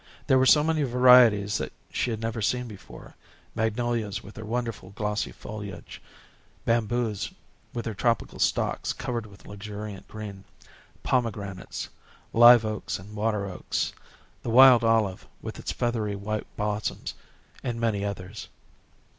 There were so many varieties she had never seen before magnolias with their wonderful glossy foliage; bamboos with their tropical stalks covered with luxuriant green; pomegranates; live oaks and water oaks; the wild olive with its feathery white blossoms, and many others.